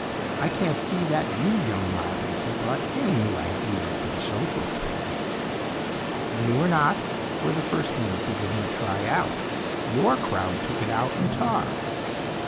I can't see that you young moderns have brought any new ideas to the social scheme." "New or not, we're the first ones to give 'em a try out. Your crowd took it out in talk."